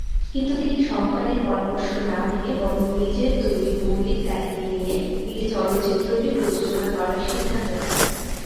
কিন্তু তিনি সহকারীর পরামর্শ না মেনে বরং নিজের তৈরি মৌলিক কাহিনী নিয়ে নিজে চলচ্চিত্রটি প্রযোজনা করার সিদ্ধান্ত নেয়।